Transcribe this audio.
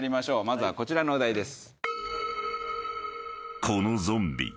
まずはこちらのお題です。